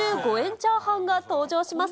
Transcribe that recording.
チャーハンが登場します。